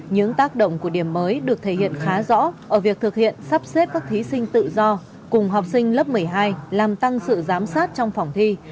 những tác động của điểm mới được thể hiện khá rõ ở việc thực hiện sắp xếp các thí sinh tự do cùng học sinh lớp một mươi hai làm tăng sự giám sát trong phòng thi